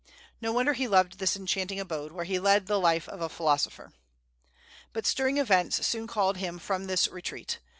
No wonder he loved this enchanting abode, where he led the life of a philosopher. But stirring events soon called him from this retreat.